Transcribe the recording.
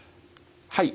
はい。